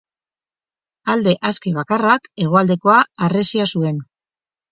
Alde aske bakarrak, hegoaldekoa, harresia zuen.